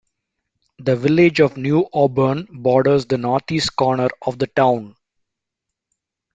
The village of New Auburn borders the northeast corner of the town.